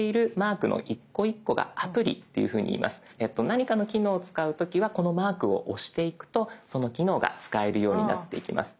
何かの機能を使う時はこのマークを押していくとその機能が使えるようになっていきます。